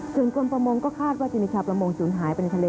ถึงกลมประมงก็คาดว่าจินิชาประมงจมหายไปในทะเล